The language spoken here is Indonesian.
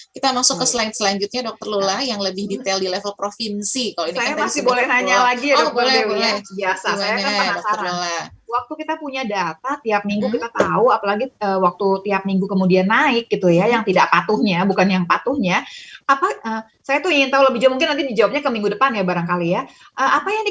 kita lanjut tadi ke level provinsi sekarang dr lula